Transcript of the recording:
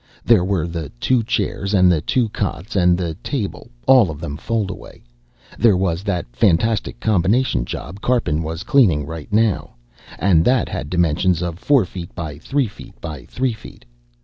There were the two chairs and the two cots and the table, all of them foldaway. There was that fantastic combination job Karpin was cleaning right now, and that had dimensions of four feet by three feet by three feet.